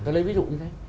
tôi lấy ví dụ như thế